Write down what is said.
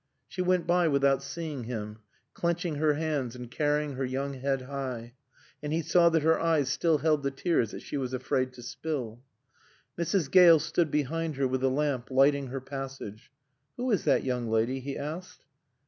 She went by without seeing him, clenching her hands and carrying her young head high; and he saw that her eyes still held the tears that she was afraid to spill. Mrs. Gale stood behind her with a lamp, lighting her passage. "Who is that young lady?" he asked.